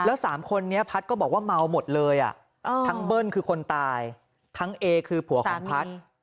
แล้ว๓คนนี้พัฒน์ก็บอกว่าเมาหมดเลยทั้งเบิ้ลคือคนตายทั้งเอคือผัวของพัฒน์